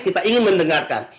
kita ingin mendengarkan